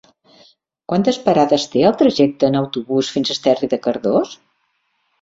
Quantes parades té el trajecte en autobús fins a Esterri de Cardós?